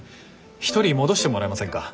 １人戻してもらえませんか？